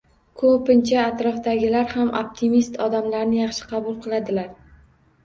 Ko‘pincha atrofdagilar ham optimist odamlarni yaxshi qabul qiladilar.